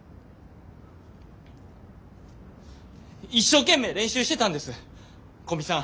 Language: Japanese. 一生懸命練習してたんです古見さん